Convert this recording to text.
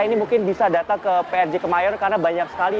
ini mungkin bisa datang ke prj kemayoran karena banyak sekali